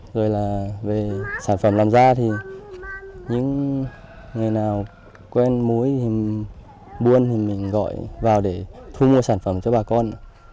rồi là về sản phẩm làm ra thì những người nào quen mối buôn thì mình gọi vào để thu mua sản phẩm cho bà con